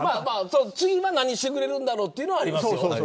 次は何してくれるんだろうというのはありますよ。